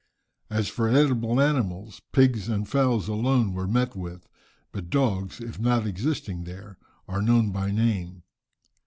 As for edible animals, pigs and fowls alone were met with, but dogs if not existing there, are known by name.